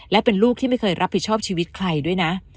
และเป็นลูกที่ไม่เคยรับผิดชอบชีวิตใครด้วยนะ